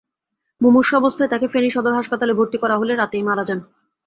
মুমূর্ষু অবস্থায় তাঁকে ফেনী সদর হাসপাতালে ভর্তি করা হলে রাতেই মারা যান।